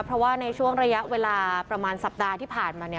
เพราะว่าในช่วงระยะเวลาประมาณสัปดาห์ที่ผ่านมาเนี่ย